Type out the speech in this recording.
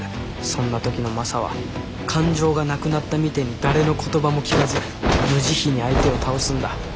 そんな時のマサは感情がなくなったみてえに誰の言葉も聞かず無慈悲に相手を倒すんだ。